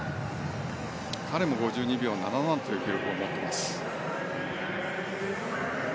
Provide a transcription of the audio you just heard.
彼も５２秒７７という記録を持っています。